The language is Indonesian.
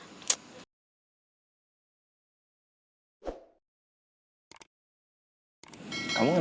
ya aku pengen ngajakin kamu ke sini ya